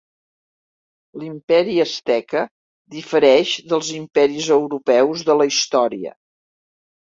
L'Imperi asteca difereix dels imperis europeus de la història.